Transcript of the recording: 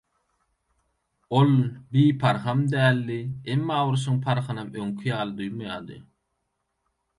Ol biparham daldi, emma urşuň parhynam öňki ýaly duýmaýardy.